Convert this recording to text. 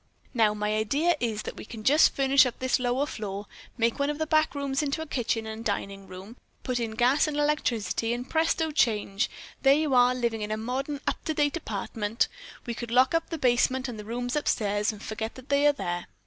Now, my idea is that we can just furnish up this lower floor. Make one of the back rooms into a kitchen and dining room, put in gas and electricity, and presto change, there you are living in a modern up to date apartment. Then we could lock up the basement and the rooms upstairs and forget they are there."